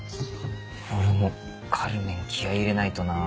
俺も『カルメン』気合入れないとなぁ。